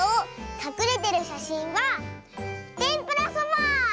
かくれてるしゃしんはてんぷらそば！